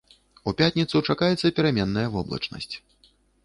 У пятніцу чакаецца пераменная воблачнасць.